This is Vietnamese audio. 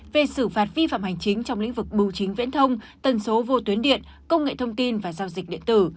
về xử phạt vi phạm hành chính trong lĩnh vực bưu chính viễn thông tần số vô tuyến điện công nghệ thông tin và giao dịch điện tử